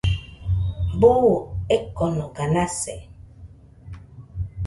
Buu ekonoga nase